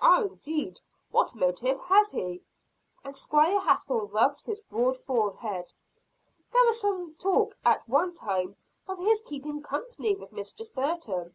"Ah, indeed what motive has he?" And Squire Hathorne rubbed his broad forehead. "There was some talk at one time of his keeping company with Mistress Burton."